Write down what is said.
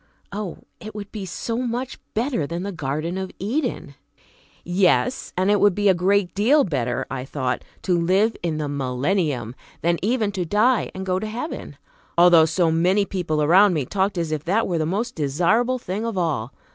Oh, it would be so much better than the garden of Eden! Yes, and it would be a great deal better, I thought, to live in the millennium, than even to die and go to heaven, although so many people around me talked as if that were the most desirable thing of all.